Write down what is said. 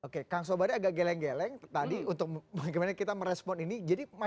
ketika demokrasi dan kebebasan dibuat